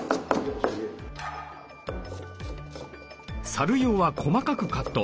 サル用は細かくカット。